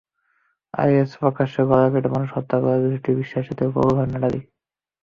আইএসের প্রকাশ্যে গলা কেটে মানুষ হত্যা করার বিষয়টি বিশ্ববাসীকে প্রবলভাবে নাড়া দেয়।